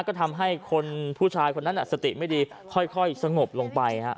ก็ทำให้คนผู้ชายคนนั้นสติไม่ดีค่อยสงบลงไปฮะ